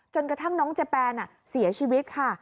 กระทั่งน้องเจแปนเสียชีวิตค่ะ